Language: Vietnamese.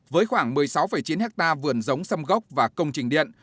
với khoảng một mươi sáu chín hectare vườn giống sâm gốc và công trình điện